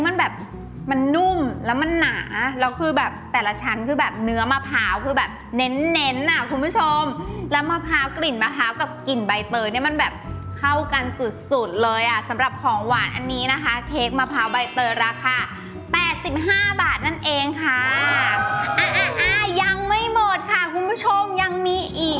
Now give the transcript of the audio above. มันแบบมันนุ่มแล้วมันหนาแล้วคือแบบแต่ละชั้นคือแบบเนื้อมะพร้าวคือแบบเน้นเน้นอ่ะคุณผู้ชมแล้วมะพร้าวกลิ่นมะพร้าวกับกลิ่นใบเตยเนี่ยมันแบบเข้ากันสุดสุดเลยอ่ะสำหรับของหวานอันนี้นะคะเค้กมะพร้าวใบเตยราคาแปดสิบห้าบาทนั่นเองค่ะอ่าอ่ายังไม่หมดค่ะคุณผู้ชมยังมีอีก